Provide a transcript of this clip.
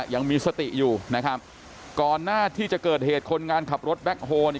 ยังมีสติอยู่นะครับก่อนหน้าที่จะเกิดเหตุคนงานขับรถแบ็คโฮเนี่ย